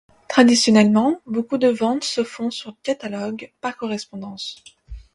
Traditionnellement, beaucoup de ventes se font sur catalogues, par correspondance.